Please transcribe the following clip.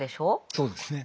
そうですね。